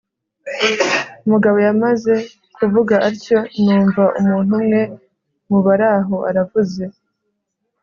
umugabo yamaze kuvuga atyo numva umuntu umwe mubaraho aravuze